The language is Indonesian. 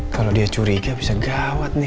kalau dia curiga bisa gawat nih